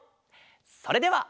それでは。